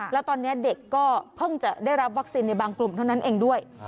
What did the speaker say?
แล้วตอนนี้เด็กก็เพิ่งจะได้รับวัคซีนในบางกลุ่มเท่านั้นเองด้วย